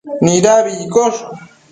Nidabida iccosh?